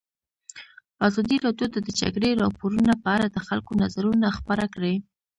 ازادي راډیو د د جګړې راپورونه په اړه د خلکو نظرونه خپاره کړي.